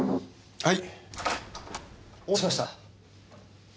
はい。